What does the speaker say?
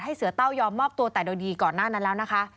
เสือเต้ายอมมอบตัวแต่โดยดีก่อนหน้านั้นแล้วนะคะ